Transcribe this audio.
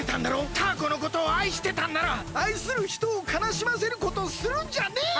タアコのことをあいしてたんならあいするひとをかなしませることをするんじゃねえよ！